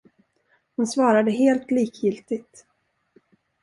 Hon svarade helt likgiltigt.